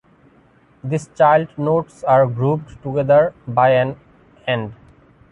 These child nodes are grouped together by an "and".